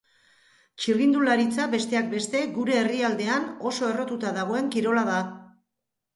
Txirrindularitza, besteak beste, gure herrialdean oso errotuta dagoen kirola da.